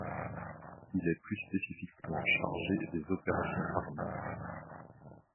Il est plus spécifiquement chargé des opérations armées.